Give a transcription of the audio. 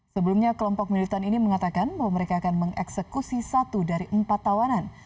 sebelumnya kelompok militan ini mengatakan bahwa mereka akan mengeksekusi satu dari empat tawanan